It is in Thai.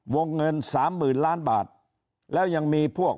วงเงิน๓๐๐๐๐๐๐บาทแล้วยังมีพวก